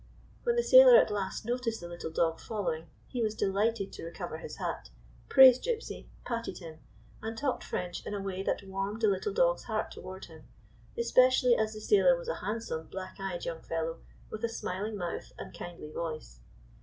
When the sailor at last noticed the little dog following, he was delighted to recover his hat, 132 THE SAILOR AND THE SHIP praised Gypsy, patted him, and talked French in a way that warmed the dog's heart toward him, especially as the sailor was a handsome, black eyed young fellow with a smiling mouth and kindly voice.